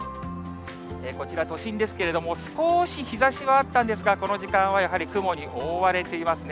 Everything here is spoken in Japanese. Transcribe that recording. こちら、都心ですけれども、少し日ざしはあったんですが、この時間はやはり雲に覆われていますね。